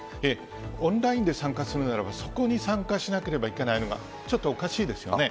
オンラインで参加するならばそこに参加しなければいけないのが、ちょっとおかしいですよね。